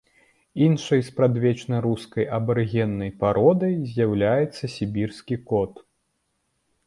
Іншай спрадвечна рускай абарыгеннай пародай з'яўляецца сібірскі кот.